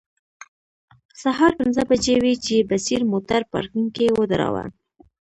سهار پنځه بجې وې چې بصیر موټر پارکینګ کې ودراوه.